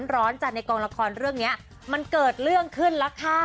ร้อนจัดในกองละครเรื่องนี้มันเกิดเรื่องขึ้นแล้วค่ะ